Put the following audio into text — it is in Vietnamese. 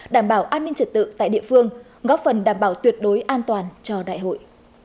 đảm bảo an ninh trật tự tại địa phương góp phần đảm bảo tuyệt đối an toàn cho đại hội